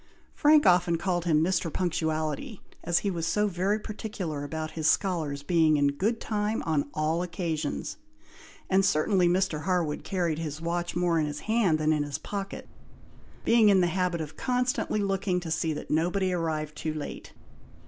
Frank often called him "Mr. Punctuality," as he was so very particular about his scholars being in good time on all occasions; and certainly Mr. Harwood carried his watch more in his hand than in his pocket, being in the habit of constantly looking to see that nobody arrived too late.